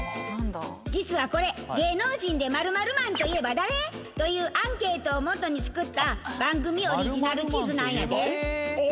実はこれ芸能人で○○マンといえば誰？というアンケートを基に作った番組オリジナル地図なんやで。